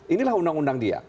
inilah undang undang dia